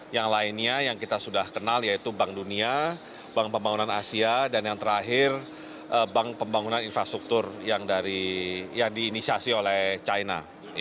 yang lainnya yang kita sudah kenal yaitu bank dunia bank pembangunan asia dan yang terakhir bank pembangunan infrastruktur yang diinisiasi oleh china